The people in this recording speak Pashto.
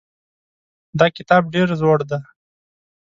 دا کتاب ډېر زوړ دی.